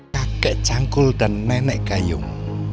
kakek cangkul dan nenek gayung